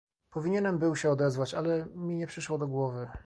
"Powinienem był się odezwać, ale mi nie przyszło do głowy."